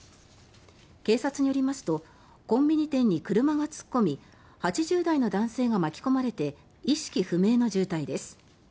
警察によりますとコンビニ店に車が突っ込み８０代の男性が巻き込まれて意識不明の重体です。